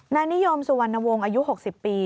นายนิยมสุวรรณวงศ์อายุ๖๐ปี